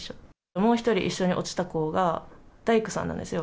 もう１人、一緒に落ちた人が大工さんなんですよ。